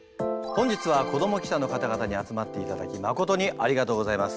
本日は子ども記者の方々に集まっていただきまことにありがとうございます。